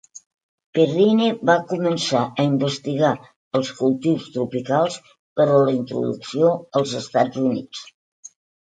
Perrine va començar a investigar els cultius tropicals per a la introducció als Estats Units.